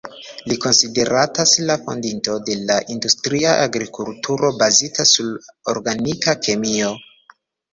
Li konsideratas la fondinto de la industria agrikulturo, bazita sur organika kemio.